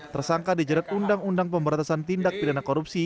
tersangka dijerat undang undang pemberantasan tindak pidana korupsi